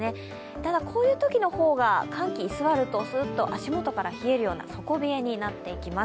ただ、こういうときのほうが寒気が居座ると足元から冷えるような底冷えになっていきます。